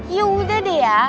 ya udah deh ya